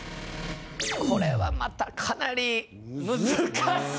これはまたかなり難しい。